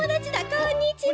こんにちは！